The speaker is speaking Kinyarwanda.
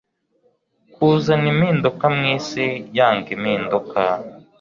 kuzana impinduka mwisi yanga impinduka